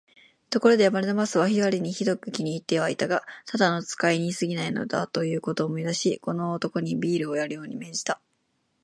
ところで、バルナバスは彼にひどく気に入ってはいたが、ただの使いにすぎないのだ、ということを思い出し、この男にビールをやるように命じた。